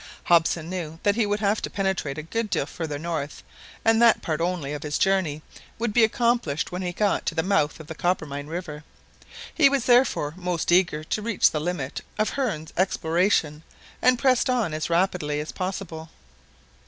Hobson knew that he would have to penetrate a good deal further north, and that part only of his journey would be accomplished when he got to the mouth of the Coppermine river. He was therefore most eager to reach the limit of Hearne's exploration, and pressed on as rapidly as possible.